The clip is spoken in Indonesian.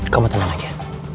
kamu tenang aja